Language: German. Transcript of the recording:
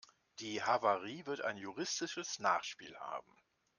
Die Havarie wird ein juristisches Nachspiel haben.